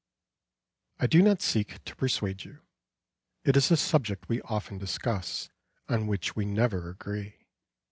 I do not seek to persuade you; it is a subject we often discuss, on which we never agree.